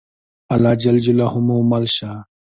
الله ج مو مل شه.